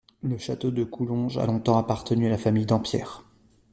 Le château de Coulonges a longtemps appartenu à la famille Dampierre.